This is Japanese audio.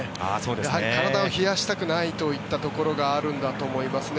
やはり、体を冷やしたくないといったところがあるんだと思いますね。